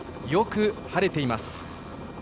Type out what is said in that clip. よく晴れています。